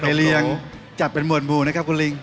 ให้เลี้ยงจับเป็นหมวดหมูนะครับคุณลิง